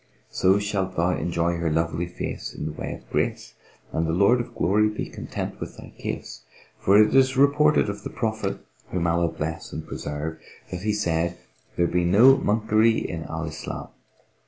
So shalt thou enjoy her lovely face in the way of grace, and the Lord of Glory be content with thy case; for it is reported of the Prophet (whom Allah bless and preserve!) that he said, 'There be no monkery in Al Islam."'